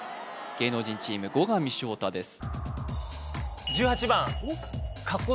芸能人チーム後上翔太です